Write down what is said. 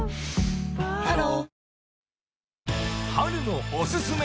ハロー